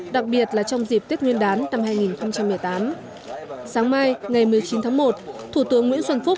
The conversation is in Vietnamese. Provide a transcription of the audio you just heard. đặc biệt là trong dịp tết nguyên đán năm hai nghìn một mươi tám sáng mai ngày một mươi chín tháng một thủ tướng nguyễn xuân phúc